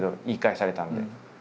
言い返されたので。